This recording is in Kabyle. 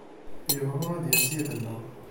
Yebɣa ad d-yas yid-neɣ.